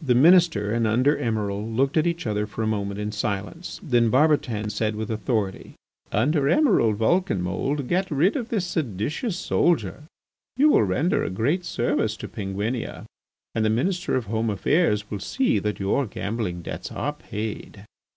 The Minister and the Under Emiral looked at each other for a moment in silence. Then Barbotan said with authority: "Under Emiral Vulcanmould, get rid of this seditious soldier. You will render a great service to Penguinia, and the Minister of Home Affairs will see that your gambling debts are paid."